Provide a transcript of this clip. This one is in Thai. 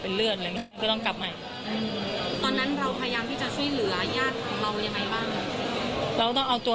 พูดสิทธิ์ข่าวธรรมดาทีวีรายงานสดจากโรงพยาบาลพระนครศรีอยุธยาครับ